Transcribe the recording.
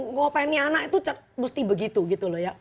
ngapainnya anak itu mesti begitu gitu loh ya